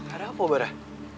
ada apa barah